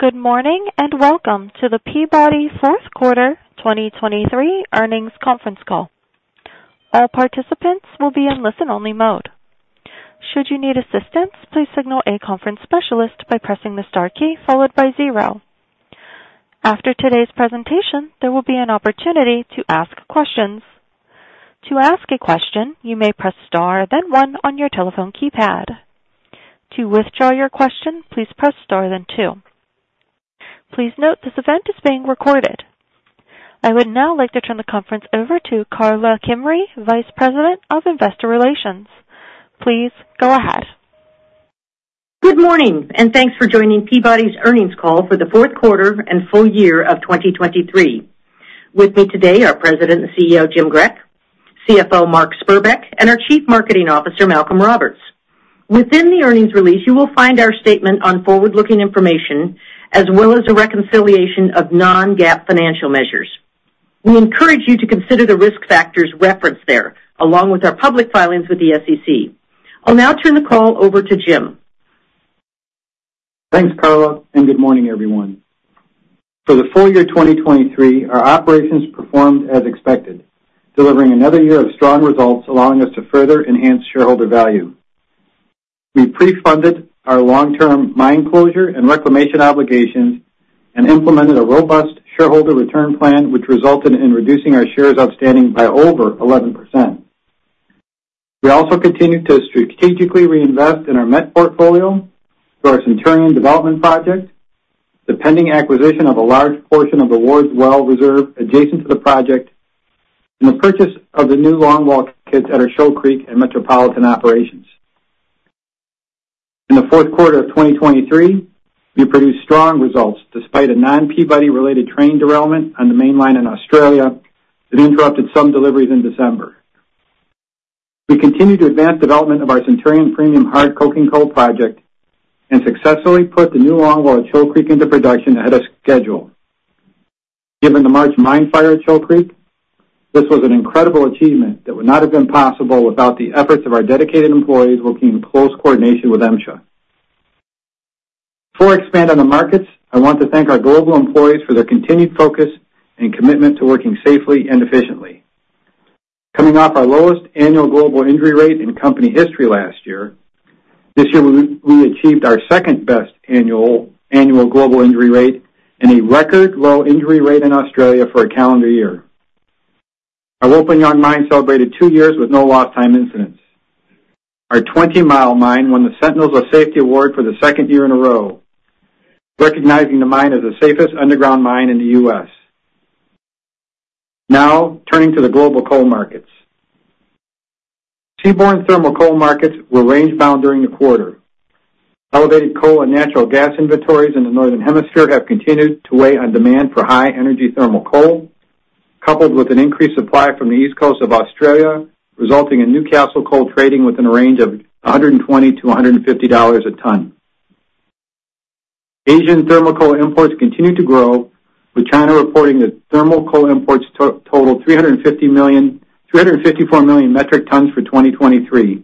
Good morning, and welcome to the Peabody fourth quarter 2023 earnings conference call. All participants will be in listen-only mode. Should you need assistance, please signal a conference specialist by pressing the star key followed by zero. After today's presentation, there will be an opportunity to ask questions. To ask a question, you may press star, then one on your telephone keypad. To withdraw your question, please press star then two. Please note, this event is being recorded. I would now like to turn the conference over to Karla Kimrey, Vice President of Investor Relations. Please go ahead. Good morning, and thanks for joining Peabody's earnings call for the fourth quarter and full year of 2023. With me today are President and CEO, Jim Grech, CFO, Mark Spurbeck, and our Chief Marketing Officer, Malcolm Roberts. Within the earnings release, you will find our statement on forward-looking information, as well as a reconciliation of non-GAAP financial measures. We encourage you to consider the risk factors referenced there, along with our public filings with the SEC. I'll now turn the call over to Jim. Thanks, Karla, and good morning, everyone. For the full year 2023, our operations performed as expected, delivering another year of strong results, allowing us to further enhance shareholder value. We prefunded our long-term mine closure and reclamation obligations and implemented a robust shareholder return plan, which resulted in reducing our shares outstanding by over 11%. We also continued to strategically reinvest in our met portfolio through our Centurion development project, the pending acquisition of a large portion of the Wards Well reserve adjacent to the project, and the purchase of the new longwall kits at our Shoal Creek and Metropolitan operations. In the fourth quarter of 2023, we produced strong results despite a non-Peabody-related train derailment on the main line in Australia that interrupted some deliveries in December. We continued to advance development of our Centurion premium hard coking coal project and successfully put the new longwall at Shoal Creek into production ahead of schedule. Given the March mine fire at Shoal Creek, this was an incredible achievement that would not have been possible without the efforts of our dedicated employees working in close coordination with MSHA. Before I expand on the markets, I want to thank our global employees for their continued focus and commitment to working safely and efficiently. Coming off our lowest annual global injury rate in company history last year, this year we achieved our second-best annual global injury rate and a record-low injury rate in Australia for a calendar year. Our Wilpinjong mine celebrated two years with no lost time incidents. Our Twentymile mine won the Sentinels of Safety Award for the second year in a row, recognizing the mine as the safest underground mine in the U.S. Now, turning to the global coal markets. Seaborne Thermal coal markets were range-bound during the quarter. Elevated coal and natural gas inventories in the Northern Hemisphere have continued to weigh on demand for high-energy thermal coal, coupled with an increased supply from the east coast of Australia, resulting in Newcastle coal trading within a range of $120-$150 per ton. Asian thermal coal imports continued to grow, with China reporting that thermal coal imports totaled 354 million metric tons for 2023,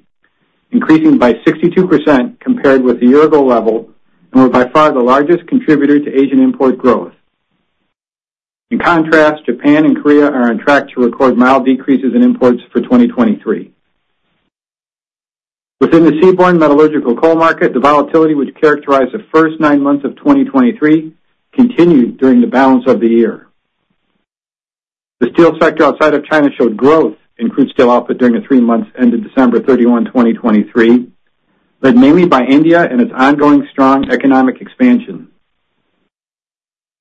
increasing by 62% compared with the year-ago level, and were by far the largest contributor to Asian import growth. In contrast, Japan and Korea are on track to record mild decreases in imports for 2023. Within the seaborne metallurgical coal market, the volatility, which characterized the first nine months of 2023, continued during the balance of the year. The steel sector outside of China showed growth in crude steel output during the three months ended December 31, 2023, led mainly by India and its ongoing strong economic expansion.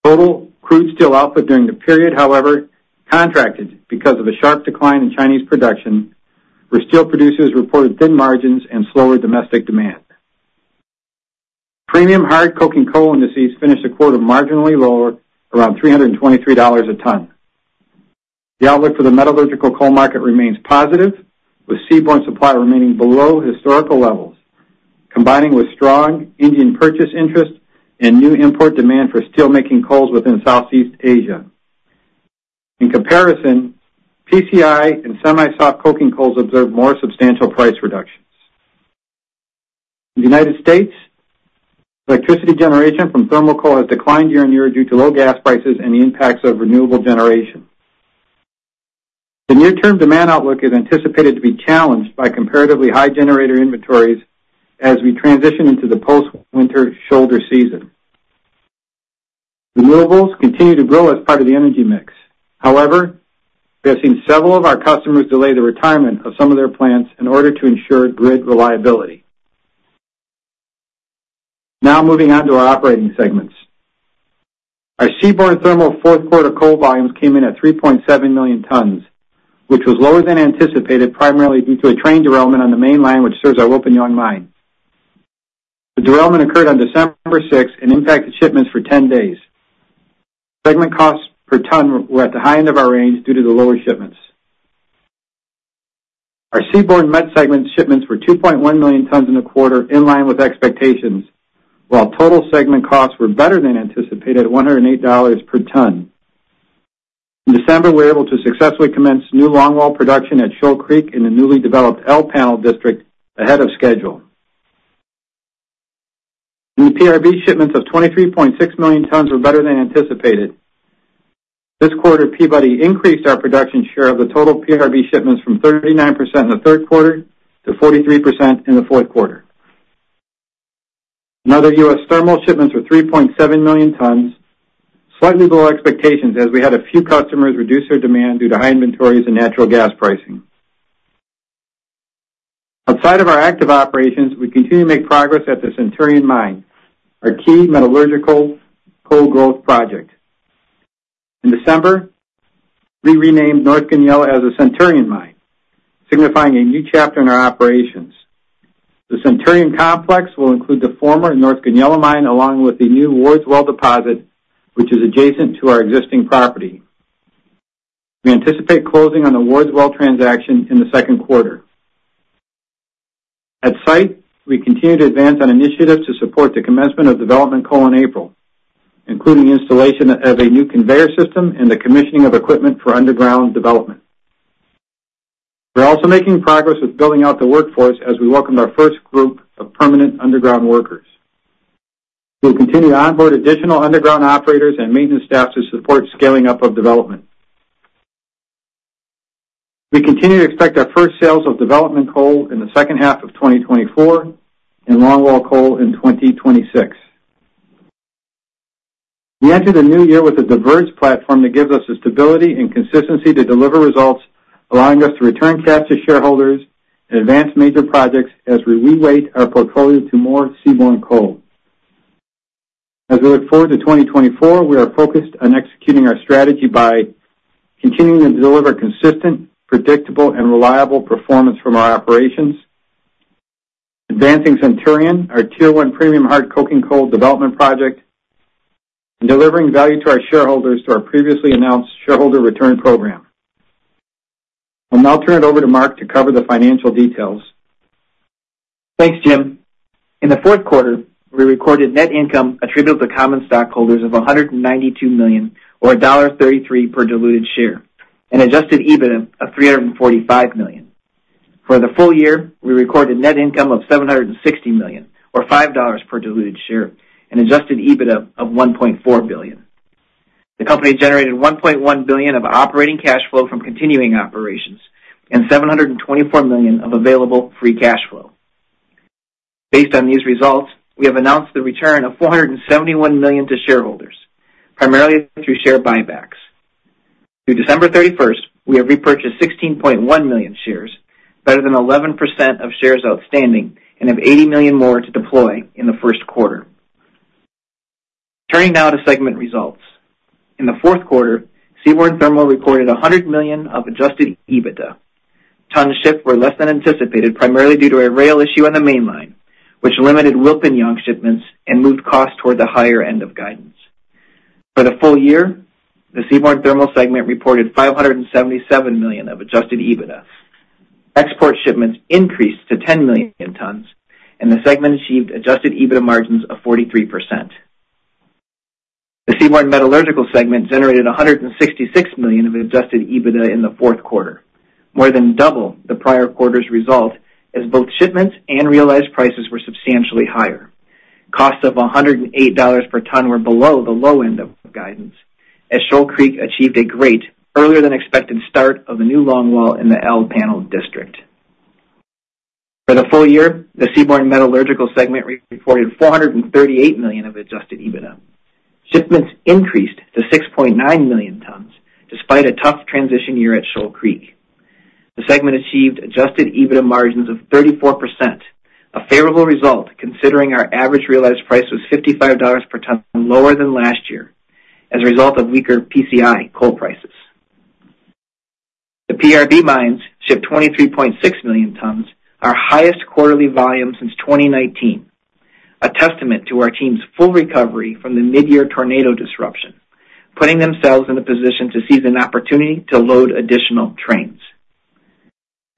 Total crude steel output during the period, however, contracted because of a sharp decline in Chinese production, where steel producers reported thin margins and slower domestic demand. Premium hard coking coal indices finished the quarter marginally lower, around $323 a ton. The outlook for the metallurgical coal market remains positive, with seaborne supply remaining below historical levels, combining with strong Indian purchase interest and new import demand for steelmaking coals within Southeast Asia. In comparison, PCI and semi-soft coking coals observed more substantial price reductions. In the United States, electricity generation from thermal coal has declined year-on-year due to low gas prices and the impacts of renewable generation. The near-term demand outlook is anticipated to be challenged by comparatively high generator inventories as we transition into the post-winter shoulder season. Renewables continue to grow as part of the energy mix. However, we have seen several of our customers delay the retirement of some of their plants in order to ensure grid reliability. Now moving on to our operating segments. Our Seaborne Thermal fourth quarter coal volumes came in at 3.7 million tons, which was lower than anticipated, primarily due to a train derailment on the main line, which serves our Wilpinjong mine. The derailment occurred on December 6th and impacted shipments for 10 days. Segment costs per ton were at the high end of our range due to the lower shipments. Our Seaborne Met segment shipments were 2.1 million tons in the quarter, in line with expectations, while total segment costs were better than anticipated at $108 per ton. In December, we were able to successfully commence new longwall production at Shoal Creek in the newly developed L panel district ahead of schedule. In the PRB, shipments of 23.6 million tons were better than anticipated. This quarter, Peabody increased our production share of the total PRB shipments from 39% in the third quarter to 43% in the fourth quarter. Now, the U.S. Thermal shipments were 3.7 million tons, slightly below expectations, as we had a few customers reduce their demand due to high inventories and natural gas pricing. Outside of our active operations, we continue to make progress at the Centurion mine, our key metallurgical coal growth project. In December, we renamed North Goonyella as the Centurion mine, signifying a new chapter in our operations. The Centurion complex will include the former North Goonyella mine, along with the new Wards Well deposit, which is adjacent to our existing property. We anticipate closing on the Wards Well transaction in the second quarter. At site, we continue to advance on initiatives to support the commencement of development coal in April, including installation of a new conveyor system and the commissioning of equipment for underground development. We're also making progress with building out the workforce as we welcome our first group of permanent underground workers. We'll continue to onboard additional underground operators and maintenance staff to support scaling up of development. We continue to expect our first sales of development coal in the second half of 2024 and longwall coal in 2026. We enter the new year with a diverse platform that gives us the stability and consistency to deliver results, allowing us to return cash to shareholders and advance major projects as we reweight our portfolio to more seaborne coal. As we look forward to 2024, we are focused on executing our strategy by continuing to deliver consistent, predictable, and reliable performance from our operations, advancing Centurion, our Tier 1 premium coking coal development project, and delivering value to our shareholders through our previously announced shareholder return program. I'll now turn it over to Mark to cover the financial details. Thanks, Jim. In the fourth quarter, we recorded net income attributable to common stockholders of $192 million or $1.33 per diluted share, and adjusted EBITDA of $345 million. For the full year, we recorded net income of $760 million or $5 per diluted share, and adjusted EBITDA of $1.4 billion. The company generated $1.1 billion of operating cash flow from continuing operations and $724 million of available free cash flow. Based on these results, we have announced the return of $471 million to shareholders, primarily through share buybacks. Through December 31st, we have repurchased 16.1 million shares, better than 11% of shares outstanding, and have $80 million more to deploy in the first quarter. Turning now to segment results. In the fourth quarter, Seaborne Thermal reported $100 million of adjusted EBITDA. Tons shipped were less than anticipated, primarily due to a rail issue on the mainline, which limited Wilpinjong shipments and moved costs toward the higher end of guidance. For the full year, the Seaborne Thermal segment reported $577 million of adjusted EBITDA. Export shipments increased to 10 million tons, and the segment achieved adjusted EBITDA margins of 43%. The Seaborne Metallurgical segment generated $166 million of adjusted EBITDA in the fourth quarter, more than double the prior quarter's result, as both shipments and realized prices were substantially higher. Costs of $108 per ton were below the low end of guidance, as Shoal Creek achieved a great earlier than expected start of the new longwall in the L panel district. For the full year, the Seaborne Metallurgical segment reported $438 million of adjusted EBITDA. Shipments increased to 6.9 million tons, despite a tough transition year at Shoal Creek. The segment achieved adjusted EBITDA margins of 34%, a favorable result, considering our average realized price was $55 per ton, lower than last year as a result of weaker PCI coal prices. The PRB mines shipped 23.6 million tons, our highest quarterly volume since 2019, a testament to our team's full recovery from the midyear tornado disruption, putting themselves in a position to seize an opportunity to load additional trains.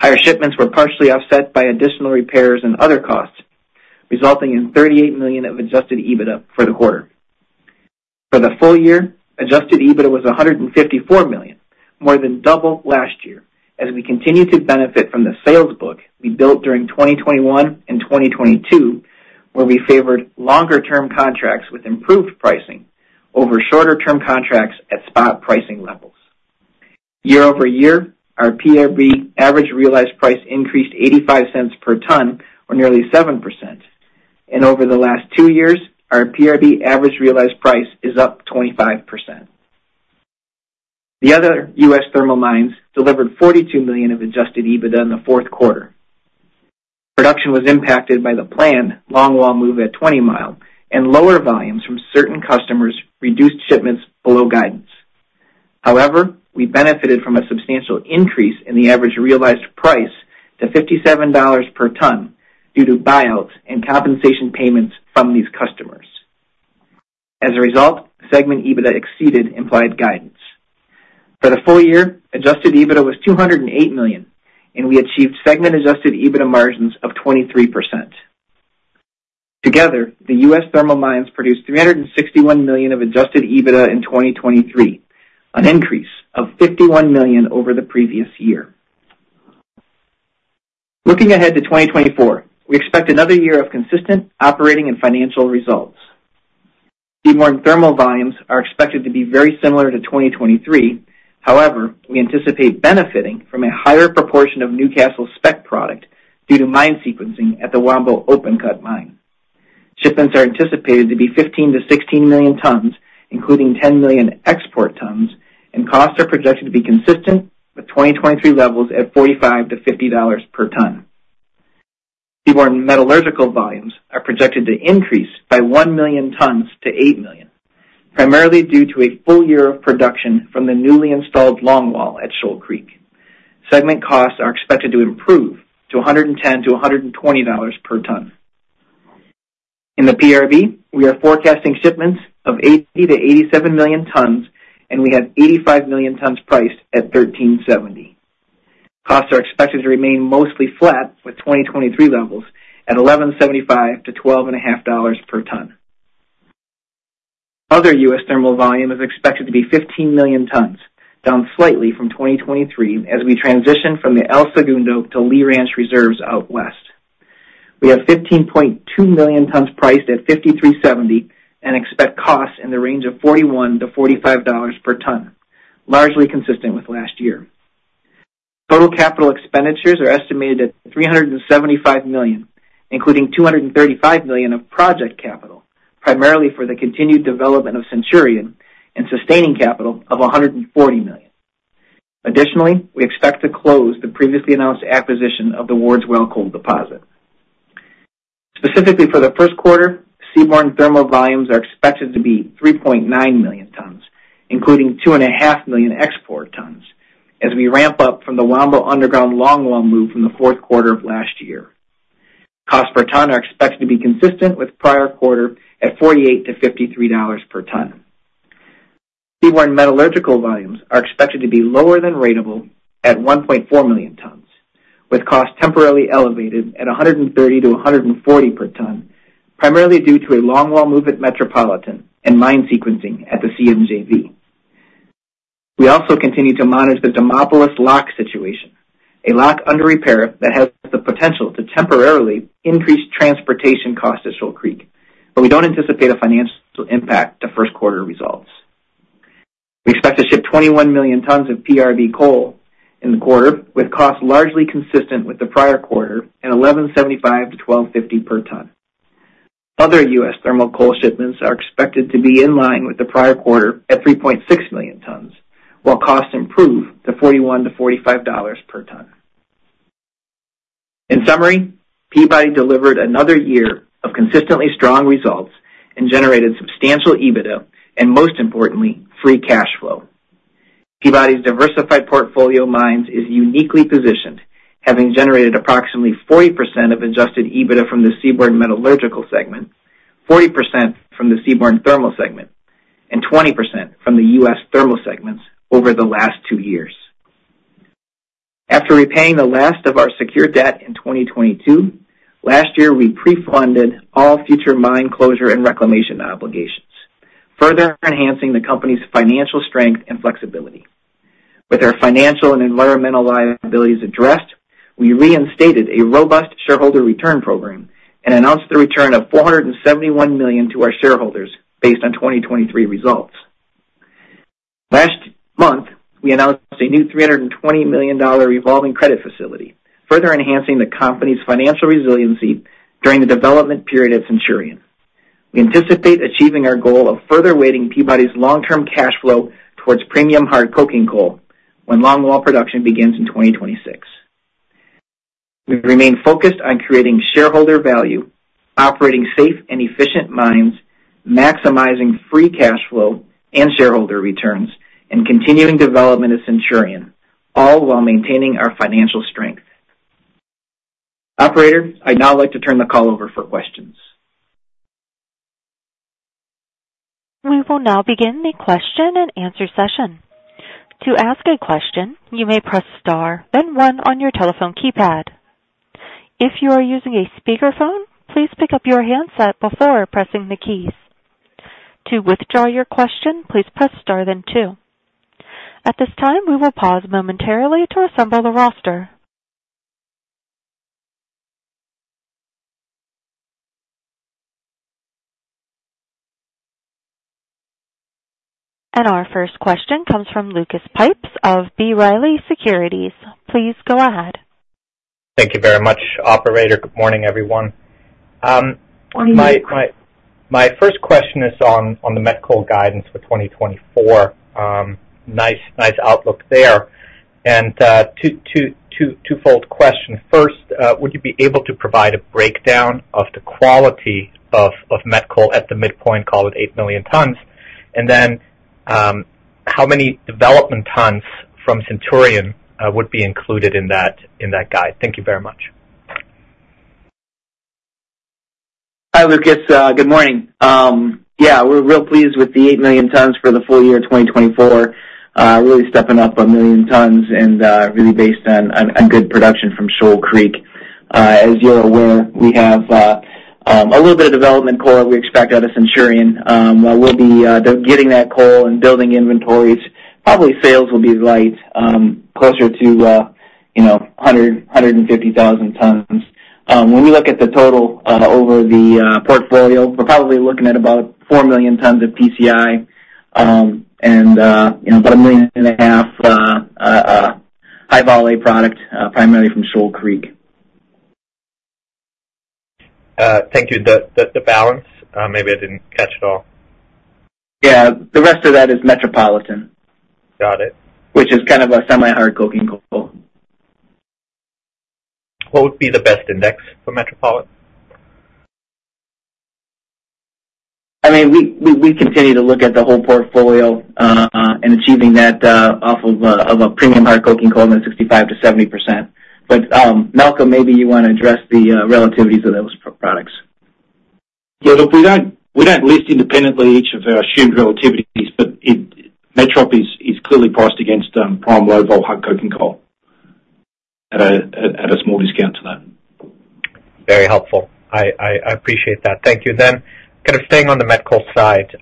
Higher shipments were partially offset by additional repairs and other costs, resulting in $38 million of adjusted EBITDA for the quarter. For the full year, adjusted EBITDA was $154 million, more than double last year, as we continue to benefit from the sales book we built during 2021 and 2022, where we favored longer-term contracts with improved pricing over shorter-term contracts at spot pricing levels. Year-over-year, our PRB average realized price increased $0.85 per ton, or nearly 7%, and over the last two years, our PRB average realized price is up 25%. The Other U.S. Thermal mines delivered $42 million of adjusted EBITDA in the fourth quarter. Production was impacted by the planned longwall move at Twentymile, and lower volumes from certain customers reduced shipments below guidance. However, we benefited from a substantial increase in the average realized price to $57 per ton due to buyouts and compensation payments from these customers. As a result, segment EBITDA exceeded implied guidance. For the full year, adjusted EBITDA was $208 million, and we achieved segment adjusted EBITDA margins of 23%. Together, the U.S. Thermal mines produced $361 million of adjusted EBITDA in 2023, an increase of $51 million over the previous year. Looking ahead to 2024, we expect another year of consistent operating and financial results. Seaborne Thermal volumes are expected to be very similar to 2023. However, we anticipate benefiting from a higher proportion of Newcastle spec product due to mine sequencing at the Wambo Open Cut mine. Shipments are anticipated to be 15 million-16 million tons, including 10 million export tons, and costs are projected to be consistent with 2023 levels at $45-$50 per ton. Seaborne Metallurgical volumes are projected to increase by 1 million tons to 8 million tons, primarily due to a full year of production from the newly installed longwall at Shoal Creek. Segment costs are expected to improve to $110-$120 per ton. In the PRB, we are forecasting shipments of 80 million-87 million tons, and we have 85 million tons priced at $13.70. Costs are expected to remain mostly flat with 2023 levels at $11.75-$12.50 per ton. Other U.S. Thermal volume is expected to be 15 million tons, down slightly from 2023 as we transition from the El Segundo to Lee Ranch reserves out west. We have 15.2 million tons priced at $53.70 and expect costs in the range of $41-$45 per ton, largely consistent with last year. Total capital expenditures are estimated at $375 million, including $235 million of project capital, primarily for the continued development of Centurion and sustaining capital of $140 million. Additionally, we expect to close the previously announced acquisition of the Wards Well coal deposit. Specifically for the first quarter, Seaborne Thermal volumes are expected to be 3.9 million tons, including 2.5 million export tons, as we ramp up from the Wambo underground longwall move from the fourth quarter of last year. Costs per ton are expected to be consistent with prior quarter at $48-$53 per ton. Seaborne Metallurgical volumes are expected to be lower than ratable at 1.4 million tons, with costs temporarily elevated at $130-$140 per ton, primarily due to a longwall move at Metropolitan and mine sequencing at the CMJV. We also continue to monitor the Demopolis lock situation, a lock under repair that has the potential to temporarily increase transportation costs to Shoal Creek, but we don't anticipate a financial impact to first quarter results. We expect to ship 21 million tons of PRB coal in the quarter, with costs largely consistent with the prior quarter at $11.75-$12.50 per ton. Other U.S. Thermal coal shipments are expected to be in line with the prior quarter at 3.6 million tons, while costs improve to $41-$45 per ton. In summary, Peabody delivered another year of consistently strong results and generated substantial EBITDA and, most importantly, free cash flow. Peabody's diversified portfolio of mines is uniquely positioned, having generated approximately 40% of adjusted EBITDA from the Seaborne Metallurgical segment, 40% from the Seaborne Thermal segment, and 20% from the U.S. Thermal segments over the last two years. After repaying the last of our secured debt in 2022, last year, we pre-funded all future mine closure and reclamation obligations, further enhancing the company's financial strength and flexibility. With our financial and environmental liabilities addressed, we reinstated a robust shareholder return program and announced the return of $471 million to our shareholders based on 2023 results. Last month, we announced a new $320 million revolving credit facility, further enhancing the company's financial resiliency during the development period at Centurion. We anticipate achieving our goal of further weighting Peabody's long-term cash flow towards premium hard coking coal when longwall production begins in 2026. We remain focused on creating shareholder value, operating safe and efficient mines, maximizing free cash flow and shareholder returns, and continuing development of Centurion, all while maintaining our financial strength. Operator, I'd now like to turn the call over for questions. We will now begin the question-and-answer session. To ask a question, you may press star, then one on your telephone keypad. If you are using a speakerphone, please pick up your handset before pressing the keys. To withdraw your question, please press star, then two. At this time, we will pause momentarily to assemble the roster. Our first question comes from Lucas Pipes of B. Riley Securities. Please go ahead. Thank you very much, operator. Good morning, everyone. My first question is on the met coal guidance for 2024. Nice outlook there. And two-fold question. First, would you be able to provide a breakdown of the quality of met coal at the midpoint, call it 8 million tons? And then, how many development tons from Centurion would be included in that guide? Thank you very much. Hi, Lucas. Good morning. Yeah, we're real pleased with the 8 million tons for the full year 2024. Really stepping up 1 million tons and really based on good production from Shoal Creek. As you're aware, we have a little bit of development coal we expect out of Centurion. We'll be getting that coal and building inventories. Probably sales will be light, closer to, you know, 100,000-150,000 tons. When we look at the total over the portfolio, we're probably looking at about 4 million tons of PCI, and you know, about 1.5 million high-vol product, primarily from Shoal Creek. Thank you. The balance? Maybe I didn't catch it all. Yeah, the rest of that is Metropolitan. Got it. Which is kind of a semi-hard coking coal. What would be the best index for Metropolitan? I mean, we continue to look at the whole portfolio and achieving that off of a premium hard coking coal that's 65%-70%. But, Malcolm, maybe you wanna address the relativities of those products. Yeah, look, we don't list independently each of our assumed relativities, but it—Metropolitan is clearly priced against prime low-vol coking coal at a small discount to that. Very helpful. I appreciate that. Thank you. Then kind of staying on the met coal side,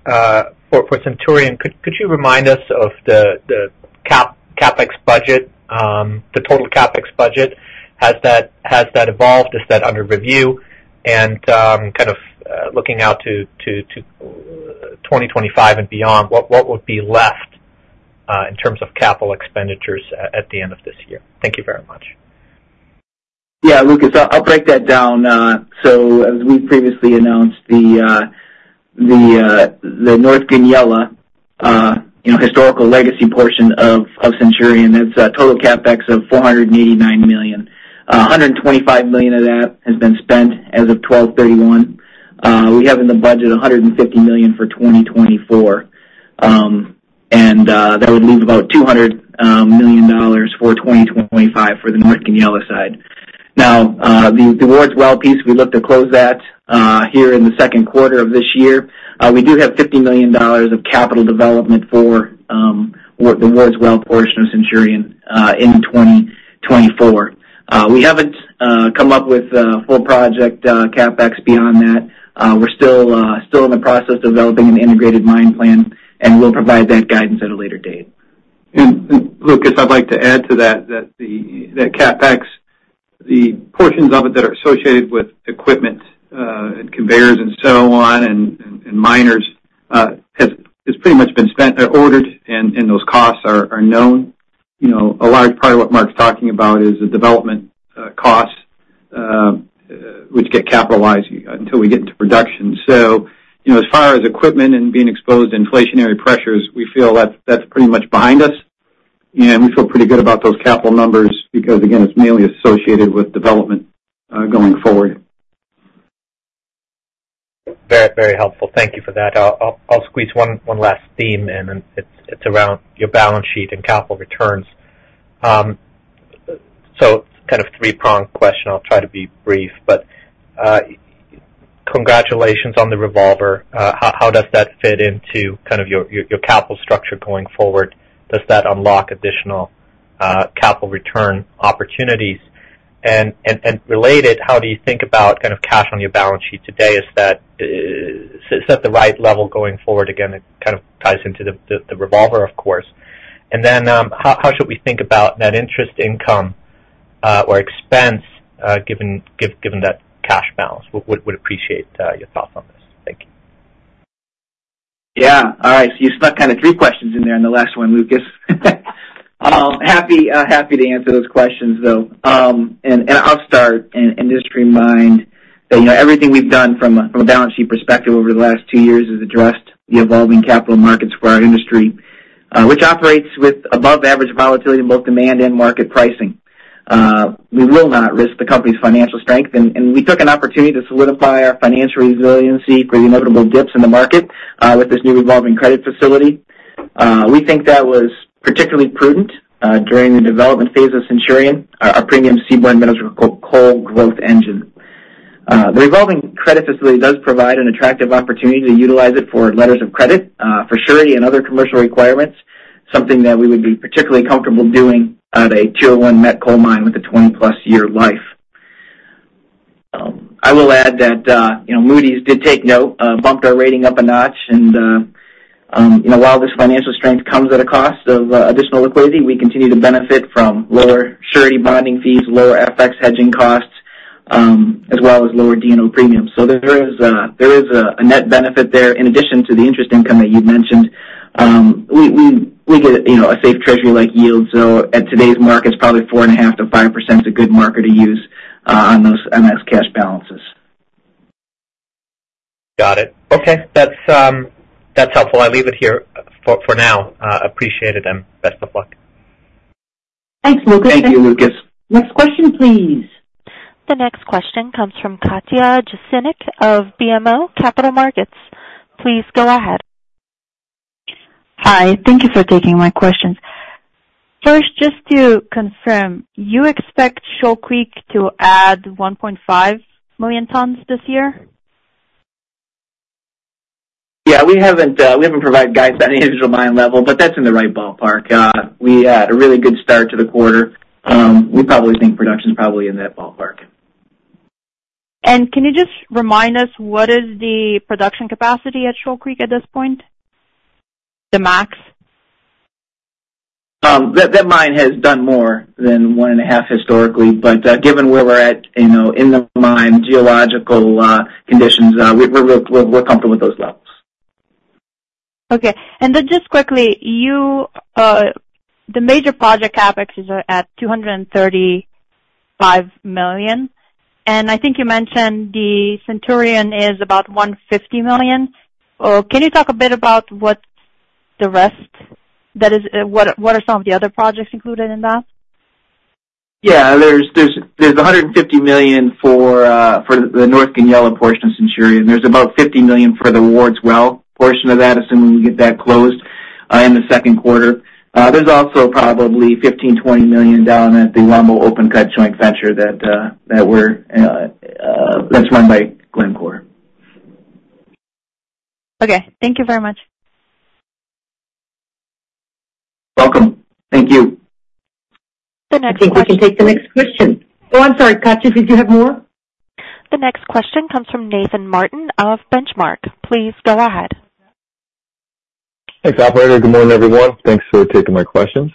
for Centurion, could you remind us of the CapEx budget, the total CapEx budget? Has that evolved? Is that under review? And kind of looking out to 2025 and beyond, what would be left in terms of capital expenditures at the end of this year? Thank you very much. Yeah, Lucas, I'll break that down. So as we previously announced, the North Goonyella, you know, historical legacy portion of Centurion, that's a total CapEx of $489 million. $125 million of that has been spent as of December 31. We have in the budget $150 million for 2024. And that would leave about $200 million for 2025 for the North Goonyella side. Now, the Wards Well piece, we look to close that here in the second quarter of this year. We do have $50 million of capital development for the Wards Well portion of Centurion in 2024. We haven't come up with a full project CapEx beyond that. We're still in the process of developing an integrated mine plan, and we'll provide that guidance at a later date. Lucas, I'd like to add to that, that the CapEx, the portions of it that are associated with equipment, and conveyors and so on, and miners, has pretty much been spent or ordered, and those costs are known. You know, a large part of what Mark's talking about is the development costs, which get capitalized until we get into production. So, you know, as far as equipment and being exposed to inflationary pressures, we feel that's pretty much behind us, and we feel pretty good about those capital numbers because, again, it's mainly associated with development going forward. Very, very helpful. Thank you for that. I'll squeeze one last theme in, and it's around your balance sheet and capital returns. So kind of three-pronged question. I'll try to be brief, but congratulations on the revolver. How does that fit into kind of your capital structure going forward? Does that unlock additional capital return opportunities? And related, how do you think about kind of cash on your balance sheet today? Is that the right level going forward? Again, it kind of ties into the revolver, of course. And then, how should we think about net interest income or expense given that cash balance? Would appreciate your thoughts on this. Thank you. Yeah. All right, so you snuck kind of three questions in there in the last one, Lucas. Happy to answer those questions, though. And I'll start and just remind that, you know, everything we've done from a balance sheet perspective over the last two years has addressed the evolving capital markets for our industry, which operates with above average volatility in both demand and market pricing. We will not risk the company's financial strength, and we took an opportunity to solidify our financial resiliency for the inevitable dips in the market, with this new revolving credit facility. We think that was particularly prudent, during the development phase of Centurion, our premium seaborne metallurgical coal growth engine. The revolving credit facility does provide an attractive opportunity to utilize it for letters of credit, for surety and other commercial requirements, something that we would be particularly comfortable doing at a Tier 1 met coal mine with a 20+ year life. I will add that, you know, Moody's did take note, bumped our rating up a notch, and, you know, while this financial strength comes at a cost of additional liquidity, we continue to benefit from lower surety bonding fees, lower FX hedging costs, as well as lower D&O premiums. So there is a net benefit there in addition to the interest income that you'd mentioned. We get, you know, a safe treasury-like yield, so at today's markets, probably 4.5%-5% is a good marker to use on those cash balances. Got it. Okay. That's, that's helpful. I'll leave it here for, for now. Appreciate it, and best of luck. Thanks, Lucas. Thank you, Lucas. Next question, please. The next question comes from Katja Jancic of BMO Capital Markets. Please go ahead. Hi. Thank you for taking my questions. First, just to confirm, you expect Shoal Creek to add 1.5 million tons this year? Yeah, we haven't, we haven't provided guidance on an individual mine level, but that's in the right ballpark. We had a really good start to the quarter. We probably think production is probably in that ballpark. Can you just remind us what is the production capacity at Shoal Creek at this point, the max? That mine has done more than 1.5 million tons historically, but given where we're at, you know, in the mine, geological conditions, we're comfortable with those levels. Okay. And then just quickly, the major project CapEx is at $235 million, and I think you mentioned the Centurion is about $150 million. Or can you talk a bit about what the rest that is, what are some of the other projects included in that? Yeah. There's $150 million for the North Goonyella portion of Centurion. There's about $50 million for the Wards Well portion of that, assuming we get that closed in the second quarter. There's also probably $15 million-$20 million down at the Wambo Open Cut joint venture that's run by Glencore. Okay. Thank you very much. Welcome. Thank you. The next question- I think we can take the next question. Oh, I'm sorry, Katja, did you have more? The next question comes from Nathan Martin of Benchmark. Please go ahead. Thanks, operator. Good morning, everyone. Thanks for taking my questions.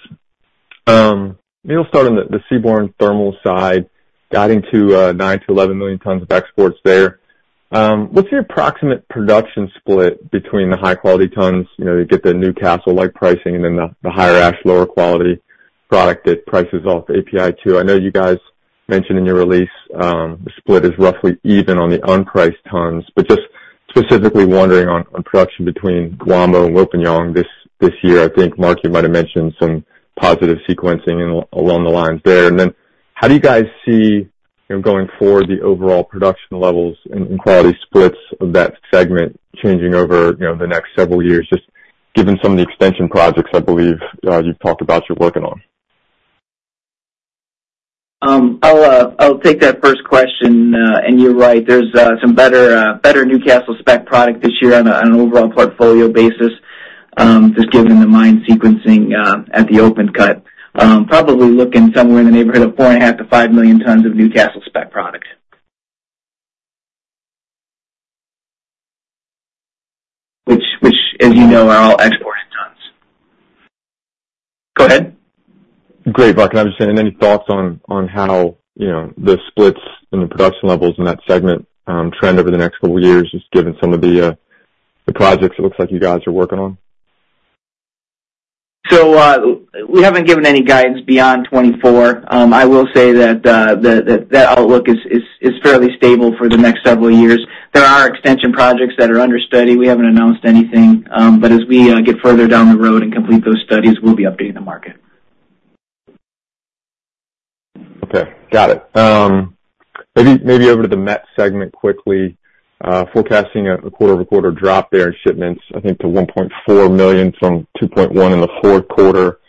Maybe I'll start on the, the Seaborne Thermal side, guiding to 9 million-11 million tons of exports there. What's your approximate production split between the high quality tons, you know, you get the Newcastle-like pricing, and then the, the higher ash, lower quality product that prices off API 2? I know you guys mentioned in your release, the split is roughly even on the unpriced tons, but just specifically wondering on, on production between Wambo and Wilpinjong this, this year. I think, Mark, you might have mentioned some positive sequencing in- along the lines there. And then how do you guys see, you know, going forward, the overall production levels and quality splits of that segment changing over, you know, the next several years, just given some of the expansion projects I believe you've talked about you're working on? I'll take that first question. You're right, there's some better, better Newcastle spec product this year on an overall portfolio basis, just given the mine sequencing at the open-cut. Probably looking somewhere in the neighborhood of 4.5 million-5 million tons of Newcastle spec product. Which, as you know, are all exporting tons. Go ahead. Great, Mark. I'm just saying, any thoughts on how, you know, the splits in the production levels in that segment trend over the next couple of years, just given some of the projects it looks like you guys are working on? We haven't given any guidance beyond 2024. I will say that outlook is fairly stable for the next several years. There are extension projects that are under study. We haven't announced anything, but as we get further down the road and complete those studies, we'll be updating the market. Okay, got it. Maybe, maybe over to the met segment quickly. Forecasting a quarter-over-quarter drop there in shipments, I think to 1.4 million from 2.1 in the fourth quarter.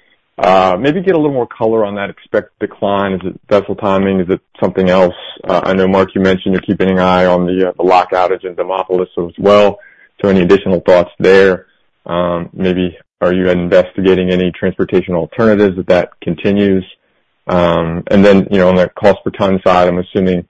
Maybe get a little more color on that expected decline. Is it vessel timing? Is it something else? I know, Mark, you mentioned you're keeping an eye on the, the lock outage in Demopolis as well. So any additional thoughts there? Maybe are you investigating any transportation alternatives if that continues? And then, you know, on the cost per ton side, I'm assuming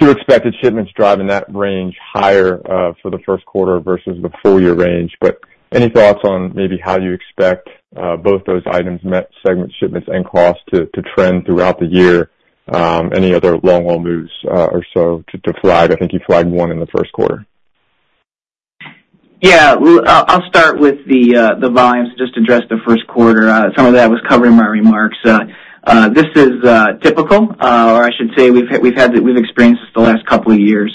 two expected shipments driving that range higher, for the first quarter versus the full year range. But any thoughts on maybe how you expect, both those items, met segment shipments and cost, to trend throughout the year? Any other longwall moves, or so to flag? I think you flagged one in the first quarter. Yeah. I'll start with the volumes, just address the first quarter. Some of that was covered in my remarks. This is typical, or I should say, we've experienced this the last couple of years.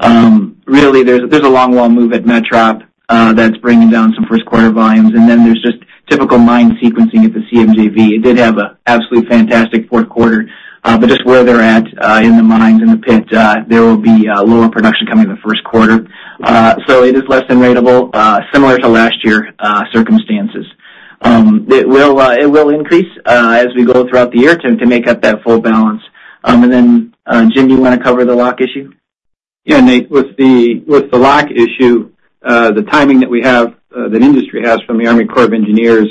Really, there's a longwall move at Metrop that's bringing down some first quarter volumes, and then there's just typical mine sequencing at the CMJV. It did have an absolutely fantastic fourth quarter, but just where they're at in the mines, in the pit, there will be lower production coming in the first quarter. So it is less than ratable, similar to last year circumstances. It will increase as we go throughout the year to make up that full balance. And then, Jim, do you want to cover the lock issue? Yeah, Nate, with the lock issue, the timing that we have, that industry has from the Army Corps of Engineers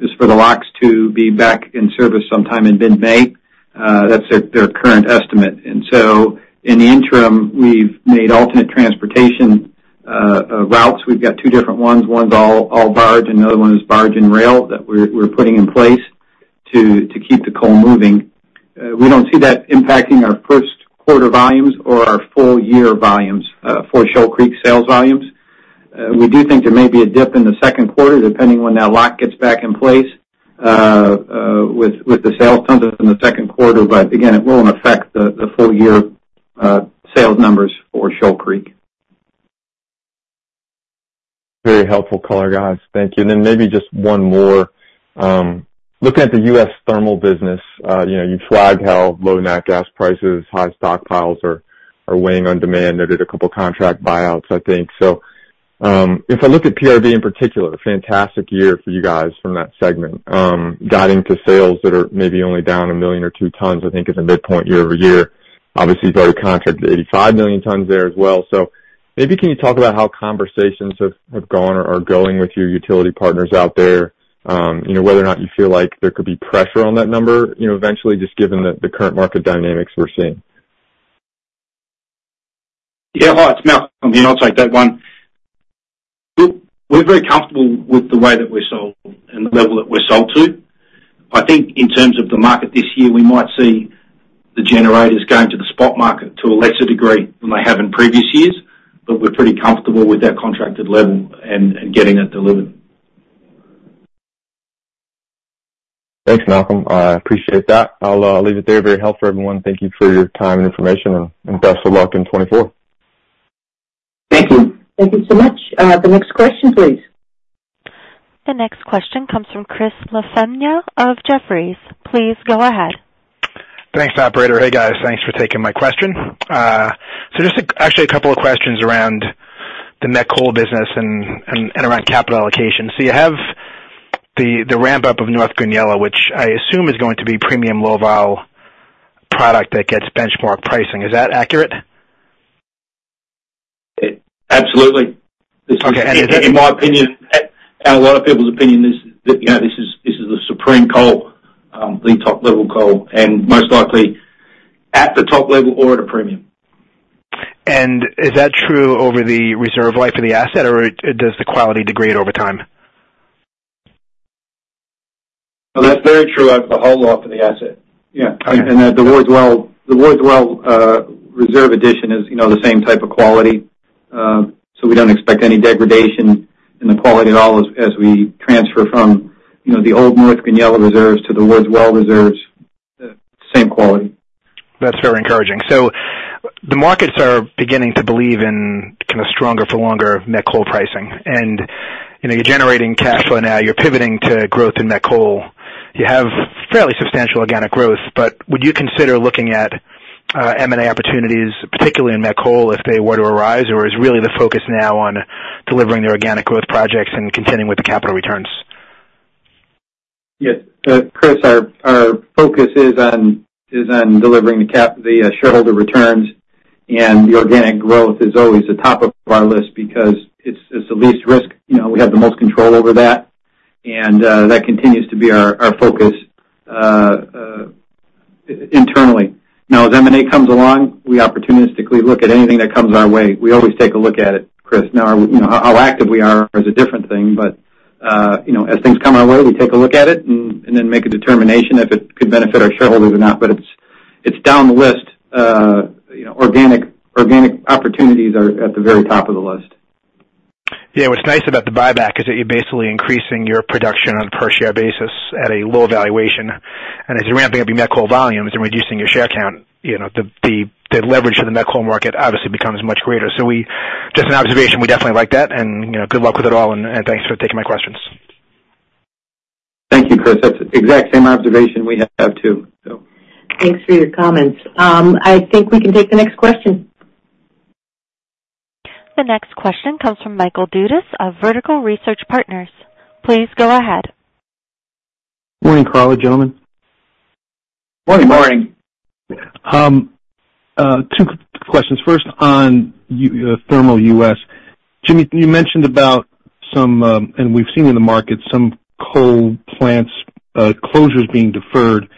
is for the locks to be back in service sometime in mid-May. That's their current estimate. And so in the interim, we've made alternate transportation routes. We've got two different ones. One's all barge, and the other one is barge and rail that we're putting in place to keep the coal moving. We don't see that impacting our first quarter volumes or our full year volumes for Shoal Creek sales volumes. We do think there may be a dip in the second quarter, depending when that lock gets back in place, with the sales tons in the second quarter, but again, it won't affect the full year sales numbers for Shoal Creek. Very helpful color, guys. Thank you. And then maybe just one more. Looking at the U.S. Thermal business, you know, you flagged how low nat gas prices, high stockpiles are weighing on demand. There did a couple contract buyouts, I think. So if I look at PRB in particular, a fantastic year for you guys from that segment. Got into sales that are maybe only down 1 million-2 million tons, I think is a midpoint year-over-year. Obviously, very contracted, 85 million tons there as well. So maybe can you talk about how conversations have gone or are going with your utility partners out there? You know, whether or not you feel like there could be pressure on that number, you know, eventually, just given the current market dynamics we're seeing. Yeah. Hi, it's Malcolm. I mean, I'll take that one. We're very comfortable with the way that we're sold and the level that we're sold to. I think in terms of the market this year, we might see the generators going to the spot market to a lesser degree than they have in previous years, but we're pretty comfortable with that contracted level and getting it delivered. Thanks, Malcolm. I appreciate that. I'll leave it there. Very helpful, everyone. Thank you for your time and information, and best of luck in 2024. Thank you. Thank you so much. The next question, please. The next question comes from Chris LaFemina of Jefferies. Please go ahead. Thanks, operator. Hey, guys. Thanks for taking my question. So just actually a couple of questions around the met coal business and around capital allocation. So you have the ramp-up of North Goonyella, which I assume is going to be premium low val product that gets benchmark pricing. Is that accurate? Absolutely. In my opinion, and a lot of people's opinion, is, you know, this is, this is the supreme coal, the top-level coal, and most likely at the top level or at a premium. Is that true over the reserve life of the asset, or does the quality degrade over time? Well, that's very true over the whole life of the asset. Yeah, the Wards Well reserve addition is, you know, the same type of quality. So we don't expect any degradation in the quality at all as we transfer from, you know, the old North Goonyella reserves to the Wards Well reserves, the same quality. That's very encouraging. So the markets are beginning to believe in kind of stronger for longer met coal pricing. And, you know, you're generating cash flow now, you're pivoting to growth in met coal. You have fairly substantial organic growth, but would you consider looking at M&A opportunities, particularly in met coal, if they were to arise? Or is really the focus now on delivering the organic growth projects and continuing with the capital returns? Yeah, Chris, our focus is on delivering the shareholder returns. The organic growth is always the top of our list because it's the least risk. You know, we have the most control over that, and that continues to be our focus internally. Now, as M&A comes along, we opportunistically look at anything that comes our way. We always take a look at it, Chris. Now, you know, how active we are is a different thing, but you know, as things come our way, we take a look at it and then make a determination if it could benefit our shareholders or not. But it's down the list. You know, organic opportunities are at the very top of the list. Yeah, what's nice about the buyback is that you're basically increasing your production on a per share basis at a low valuation. As you're ramping up your met coal volumes and reducing your share count, you know, the leverage to the met coal market obviously becomes much greater. So, just an observation, we definitely like that, and, you know, good luck with it all, and thanks for taking my questions. Thank you, Chris. That's the exact same observation we have, too, so. Thanks for your comments. I think we can take the next question. The next question comes from Michael Dudas of Vertical Research Partners. Please go ahead. Morning, Karla, gentlemen. Morning. Morning. Two questions. First, on U.S. Thermal. Jimmy, you mentioned about some, and we've seen in the market some coal plants closures being deferred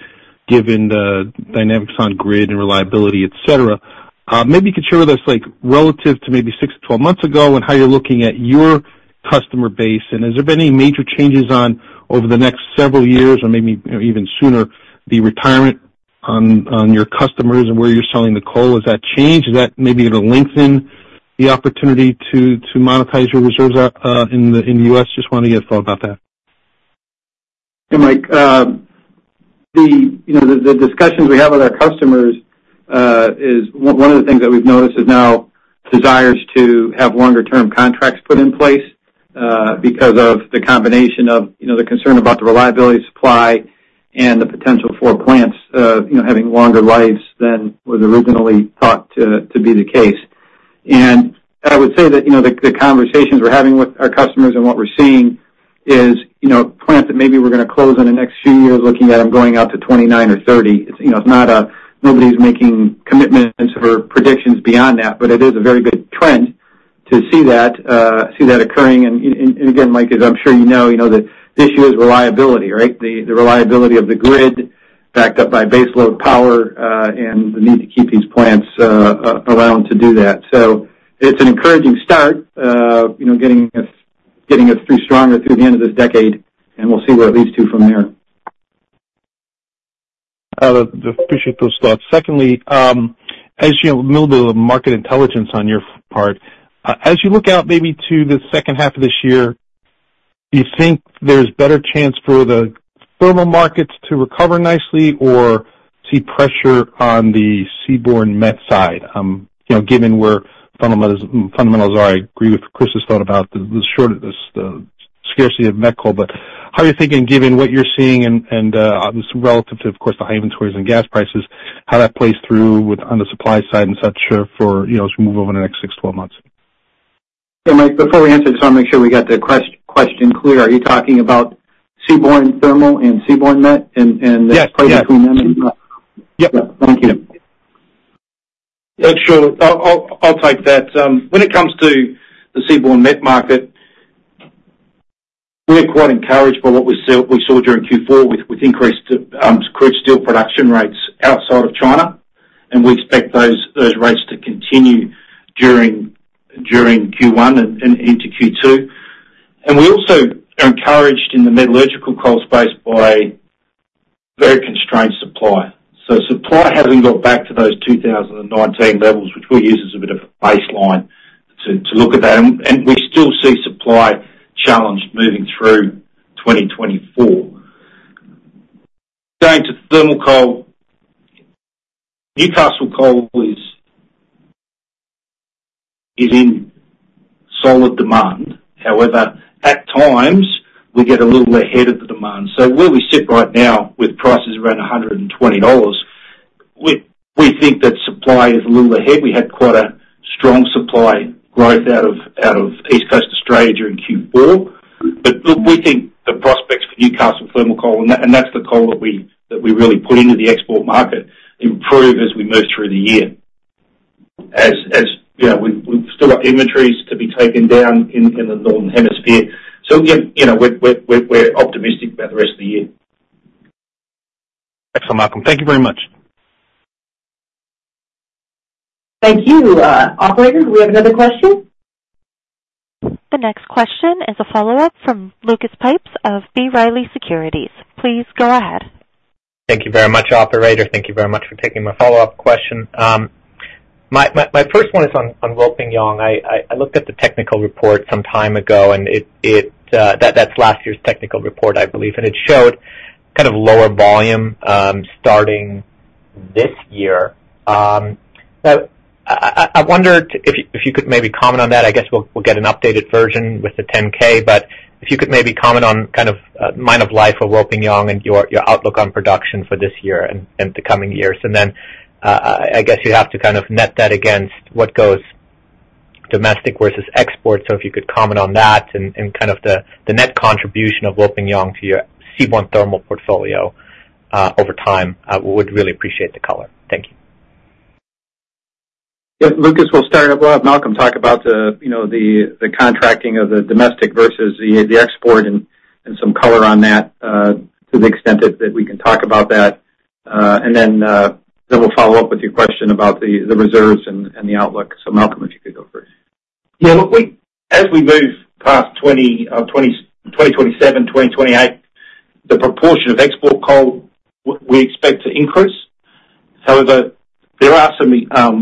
given the dynamics on grid and reliability, et cetera. Maybe you could share with us, like, relative to maybe six to 12 months ago and how you're looking at your customer base, and has there been any major changes over the next several years or maybe, you know, even sooner, the retirement on your customers and where you're selling the coal? Has that changed? Has that maybe even lengthened the opportunity to monetize your reserves in the U.S.? Just want to get your thought about that. Yeah, Mike, the discussions we have with our customers is one of the things that we've noticed is now desires to have longer-term contracts put in place, because of the combination of, you know, the concern about the reliability of supply and the potential for plants, you know, having longer lives than was originally thought to be the case. And I would say that, you know, the conversations we're having with our customers and what we're seeing is, you know, plants that maybe were gonna close in the next few years, looking at them going out to 2029 or 2030. You know, it's not nobody's making commitments or predictions beyond that, but it is a very good trend to see that occurring. Again, Mike, as I'm sure you know, you know, the issue is reliability, right? The reliability of the grid backed up by baseload power, and the need to keep these plants around to do that. So it's an encouraging start, you know, getting us through stronger through the end of this decade, and we'll see where it leads to from there. Just appreciate those thoughts. Secondly, as you know, a little bit of market intelligence on your part. As you look out maybe to the second half of this year, do you think there's better chance for the thermal markets to recover nicely or see pressure on the seaborne met side? You know, given where fundamentals are, I agree with Chris's thought about the shortage, the scarcity of met coal, but how are you thinking, given what you're seeing and, relative to, of course, the high inventories and gas prices, how that plays through with on the supply side and such for, you know, as we move over the next six to 12 months? So, Mike, before we answer, just wanna make sure we got the question clear. Are you talking about seaborne thermal and seaborne met and, and the- Yes, yes. Between them? Yep. Thank you. Yeah, sure. I'll take that. When it comes to the seaborne met market, we're quite encouraged by what we saw during Q4 with increased crude steel production rates outside of China, and we expect those rates to continue during Q1 and into Q2. And we also are encouraged in the metallurgical coal space by very constrained supply. So supply hasn't got back to those 2019 levels, which we use as a bit of a baseline to look at that. And we still see supply challenged moving through 2024. Going to thermal coal, Newcastle coal is in solid demand. However, at times, we get a little ahead of the demand. So where we sit right now with prices around $120, we think that supply is a little ahead. We had quite a strong supply growth out of East Coast Australia during Q4. But look, we think the prospects for Newcastle thermal coal, and that's the coal that we really put into the export market, improve as we move through the year. As you know, we've still got inventories to be taken down in the Northern Hemisphere. So yeah, you know, we're optimistic about the rest of the year. Excellent, Malcolm. Thank you very much. Thank you. Operator, do we have another question? The next question is a follow-up from Lucas Pipes of B. Riley Securities. Please go ahead. Thank you very much, operator. Thank you very much for taking my follow-up question. My first one is on Wilpinjong. I looked at the technical report some time ago, and it, that's last year's technical report, I believe, and it showed kind of lower volume starting this year. So I wondered if you could maybe comment on that. I guess we'll get an updated version with the 10-K, but if you could maybe comment on kind of mine life of Wilpinjong and your outlook on production for this year and the coming years. And then, I guess you'd have to kind of net that against what goes domestic versus export. So if you could comment on that and kind of the net contribution of Wilpinjong to your Seaborne Thermal portfolio over time, I would really appreciate the color. Thank you. Yeah, Lucas, we'll start. We'll have Malcolm talk about the, you know, the contracting of the domestic versus the export and some color on that, to the extent that we can talk about that. And then we'll follow up with your question about the reserves and the outlook. So Malcolm, if you could go first. Yeah, look, as we move past 2027, 2028, the proportion of export coal we expect to increase. However, there are some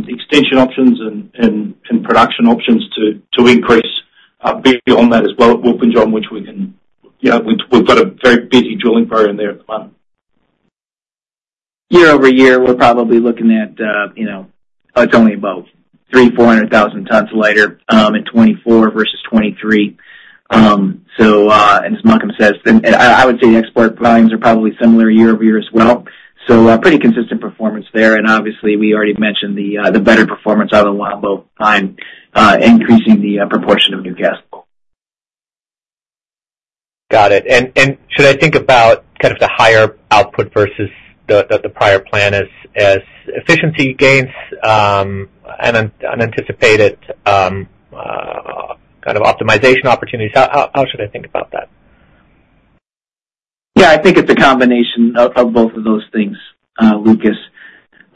extension options and production options to increase beyond that as well at Wilpinjong, which we can. You know, we've got a very busy drilling program there at the moment. Year-over-year, we're probably looking at, you know, it's only about 300,000-400,000 tons lighter in 2024 versus 2023. So, and as Malcolm says, and I, I would say the export volumes are probably similar year-over-year as well. So, pretty consistent performance there, and obviously we already mentioned the, the better performance out of the Wambo mine, increasing the, proportion of Newcastle. Got it. And should I think about kind of the higher output versus the prior plan as efficiency gains and unanticipated kind of optimization opportunities? How should I think about that? Yeah, I think it's a combination of both of those things, Lucas.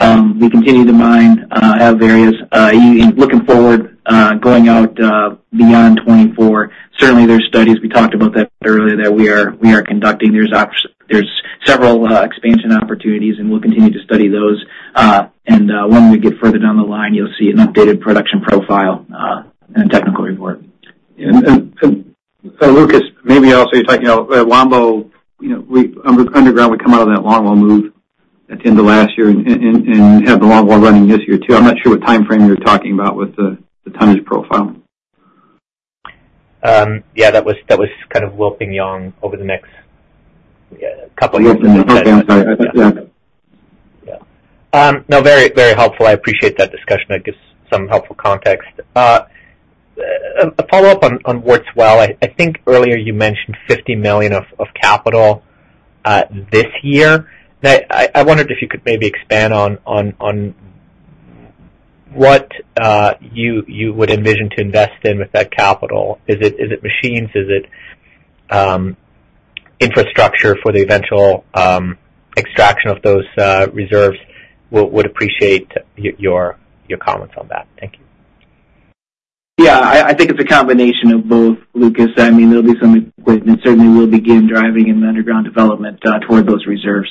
We continue to mine at various. Looking forward, going out beyond 2024, certainly there's studies, we talked about that earlier, that we are conducting. There's several expansion opportunities, and we'll continue to study those. And when we get further down the line, you'll see an updated production profile and a technical report. So Lucas, maybe I'll say, like, you know, at Wambo, you know, we underground, we come out of that longwall move at the end of last year and have the longwall running this year, too. I'm not sure what timeframe you're talking about with the tonnage profile. Yeah, that was kind of Wilpinjong over the next, yeah, couple of years. Okay. I'm sorry. Yeah. Yeah. No, very, very helpful. I appreciate that discussion. It gives some helpful context. A follow-up on Wards Well. I think earlier you mentioned $50 million of capital this year. Now, I wondered if you could maybe expand on what you would envision to invest in with that capital. Is it machines? Is it infrastructure for the eventual extraction of those reserves? Would appreciate your comments on that. Thank you. Yeah, I think it's a combination of both, Lucas. I mean, there'll be some equipment, certainly will begin driving in the underground development toward those reserves,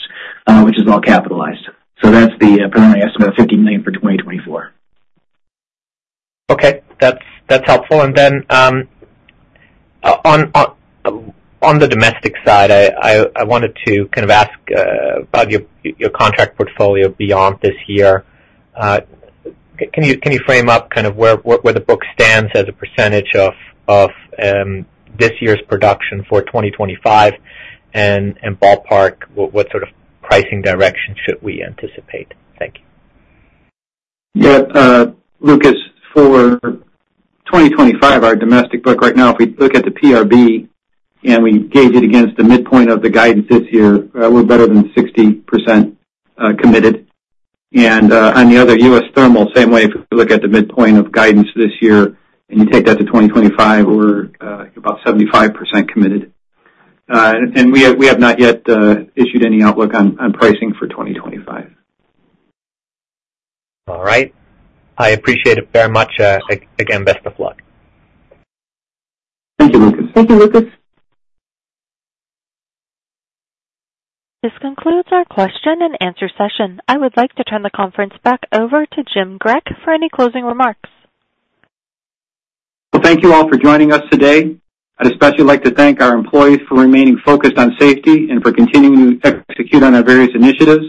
which is all capitalized. So that's the preliminary estimate of $50 million for 2024. Okay. That's, that's helpful. And then, on the domestic side, I wanted to kind of ask about your contract portfolio beyond this year. Can you frame up kind of where the book stands as a percentage of this year's production for 2025? And ballpark, what sort of pricing direction should we anticipate? Thank you. Yeah, Lucas, for 2025, our domestic book right now, if we look at the PRB, and we gauge it against the midpoint of the guidance this year, we're better than 60% committed. And, on the Other U.S. Thermal, same way, if we look at the midpoint of guidance this year, and you take that to 2025, we're about 75% committed. And we have not yet issued any outlook on pricing for 2025. All right. I appreciate it very much. Again, best of luck. Thank you, Lucas. Thank you, Lucas. This concludes our question-and-answer session. I would like to turn the conference back over to Jim Grech for any closing remarks. Well, thank you all for joining us today. I'd especially like to thank our employees for remaining focused on safety and for continuing to execute on our various initiatives.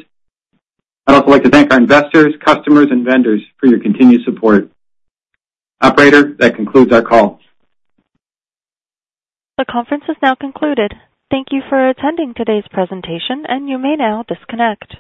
I'd also like to thank our investors, customers, and vendors for your continued support. Operator, that concludes our call. The conference is now concluded. Thank you for attending today's presentation, and you may now disconnect.